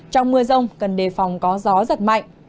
trong mưa rông cần đề phòng có gió giật mạnh